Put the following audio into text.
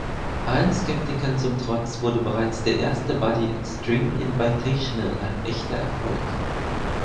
Allen Skeptikern zum Trotz wurde bereits der erste Body-Xtreme Invitational ein echter Erfolg.